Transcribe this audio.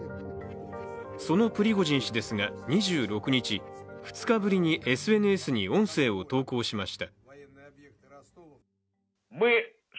そのプリゴジン氏ですが、２６日２日ぶりにＳＮＳに音声を投稿しました。